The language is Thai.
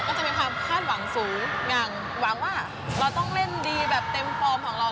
ก็จะมีความคาดหวังสูงอย่างหวังว่าเราต้องเล่นดีแบบเต็มฟอร์มของเรา